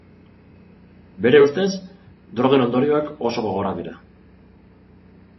Bere ustez, drogen ondorioak oso gogorrak dira.